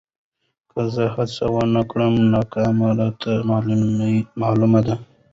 که زه هڅه ونه کړم، ناکامي راته معلومه ده.